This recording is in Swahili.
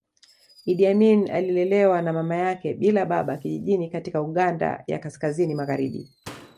Iddi Amin alilelewa na mama yake bila baba kijijini katika Uganda ya Kaskazini magharibi